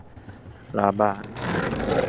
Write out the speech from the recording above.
ร้าบาน